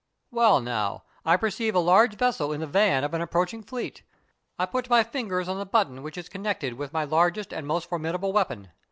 Well now, I perceive a large vessel in the van of the approaching fleet. I put my fingers on the button which is connected with my largest and most formidable weapon.